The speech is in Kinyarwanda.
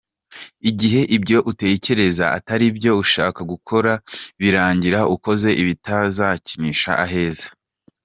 Igihe ibyo utekereza atari byo ushaka gukora, birangira ukoze ibitazakuganisha aheza.